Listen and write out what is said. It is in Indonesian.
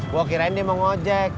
gua kirain dia mau ngejek